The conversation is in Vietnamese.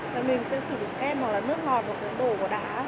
thì mình sẽ sử dụng kem hoặc là nước ngọt và đồ của đá